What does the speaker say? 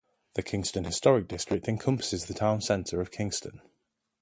The Kingston historic district encompasses the town center of Kingston.